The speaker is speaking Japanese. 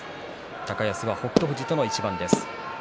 高安は北勝富士との一番です。